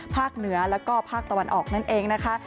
ภาคเหนือและภาคตะวันออกนั่นเองนะคะ